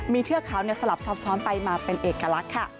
มีเทือกเขาสลับซับซ้อนไปมาเป็นเอกลักษณ์ค่ะ